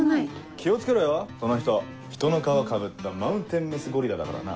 気を付けろよその人人の皮かぶったマウンテンメスゴリラだからな。